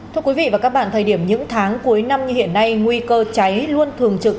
thưa quý vị và các bạn thời điểm những tháng cuối năm như hiện nay nguy cơ cháy luôn thường trực